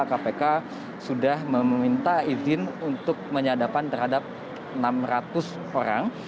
kpk sudah meminta izin untuk penyadapan terhadap enam ratus orang